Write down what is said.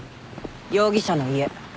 容疑者の家。